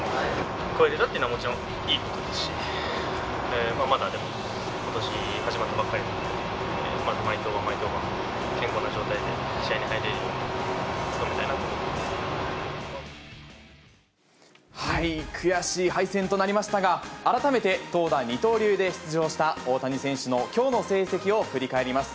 超えられたというのはもちろんいいことだし、まだ、でもことし始まったばかりなので、毎登板、毎登板、健康な状態で試合に入れるように努めたいなと思悔しい敗戦となりましたが、改めて、投打二刀流で出場した大谷選手のきょうの成績を振り返ります。